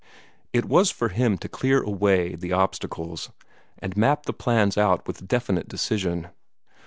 It was for him to clear away the obstacles, and map the plans out with definite decision.